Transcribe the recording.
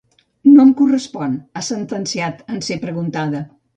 No em correspon, ha sentenciat en ser preguntada.